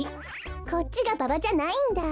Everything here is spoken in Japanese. こっちがババじゃないんだ。